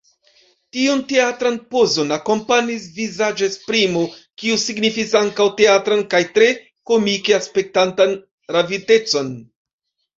Tiun teatran pozon akompanis vizaĝesprimo, kiu signifis ankaŭ teatran kaj tre komike aspektantan ravitecon.